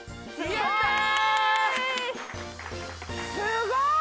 すごい！